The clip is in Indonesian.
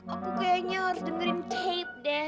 aku kayaknya harus dengerin tape deh